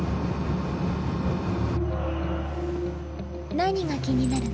何が気になるの？